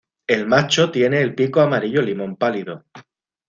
El macho tiene el pico amarillo limón pálido.